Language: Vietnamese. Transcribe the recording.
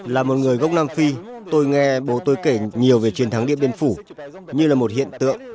là một người gốc nam phi tôi nghe bố tôi kể nhiều về chiến thắng điện biên phủ như là một hiện tượng